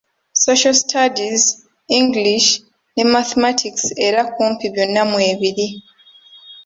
Social Studies, English ne Mathemaics era kumpi byonna mwebiri.